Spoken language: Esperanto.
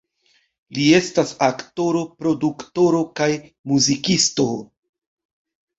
Li estas aktoro, produktoro kaj muzikisto.